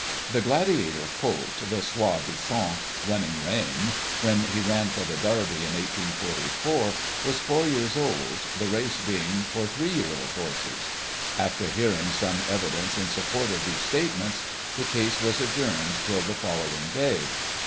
The Gladiator colt, the soi disant Running Rein, when he ran for the Derby, in 1844, was four years old, the race being for three year old horses. After hearing some evidence in support of these statements, the case was adjourned till the following day.